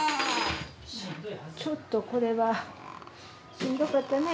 ちょっとこれはしんどかったね